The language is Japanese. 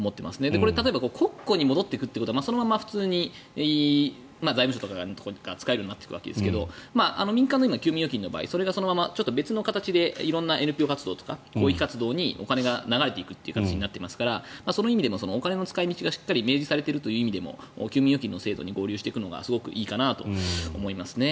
これ、例えば国庫に戻っていくということは普通に財務省とかが使えるようになっていくわけですが民間の休眠預金の場合それが別の形で色んなＮＰＯ活動とか広域活動にお金が流れていく形になっていますからその意味でもお金の使い道がしっかり明示されているという意味でも休眠預金の制度に合流していくのがいいと思いますね。